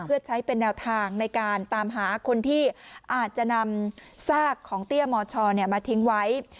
เพื่อใช้เป็นแนวทางในการตามหาคนที่อาจจะนำซากของเตี้ยมชมาทิ้งไว้